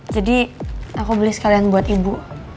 jadi aku beli sekalian buat ibu